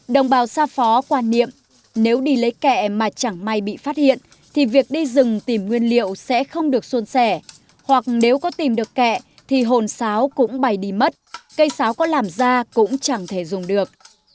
đồng bào xa phó quan niệm nếu đi lấy kẹ mà chẳng may bị phát hiện thì việc đi rừng tìm nguyên liệu sẽ không được xuân sẻ hoặc nếu có tìm được kẹ thì hồn sáo cũng bày đi mất cây sáo có làm ra cũng chẳng thể dùng được